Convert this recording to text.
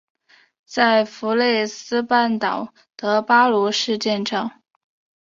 在弗内斯半岛的巴罗市建造。